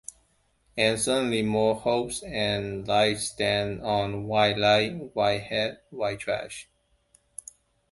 And certainly more hope and light than on "White Light, White Heat, White Trash".